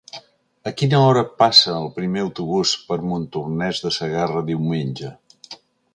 A quina hora passa el primer autobús per Montornès de Segarra diumenge?